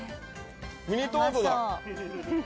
ミニトマトだ。